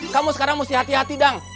kamu sekarang mesti hati hati dong